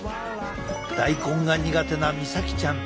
大根が苦手な翠咲ちゃん。